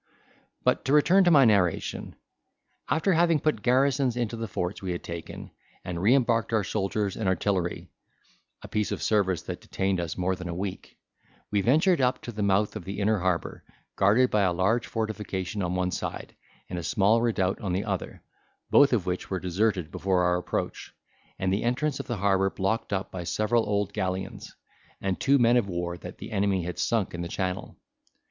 But to return to my narration. After having put garrisons into the forts we had taken, and re embarked our soldiers and artillery (a piece of service that detained us more than a week), we ventured up to the mouth of the inner harbour, guarded by a large fortification on one side, and a small redoubt on the other, both of which were deserted before our approach, and the entrance of the harbour blocked up by several old galleons, and two men of war that the enemy had sunk in the channel.